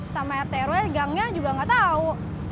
sama rt rw gangnya juga gak tau